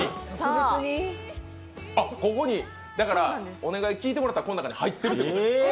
ここにだからお願い聞いてもらってたら、この中に入ってるということですね。